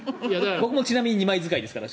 僕もちなみに２枚使いですから。